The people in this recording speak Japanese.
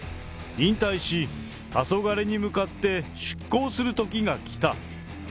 引退し、たそがれに向かって出航するときがきた。